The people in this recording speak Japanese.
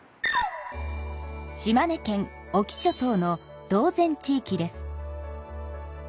島根県隠岐諸島の島前地域です。